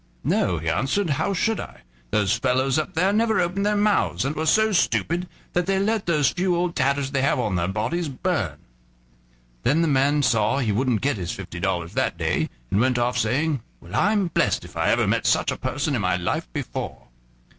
"No," he answered, "how should I? Those fellows up there never opened their mouths, and were so stupid that they let those few old tatters they have on their bodies burn." Then the man saw he wouldn't get his fifty dollars that day, and went off, saying: "Well, I'm blessed if I ever met such a person in my life before."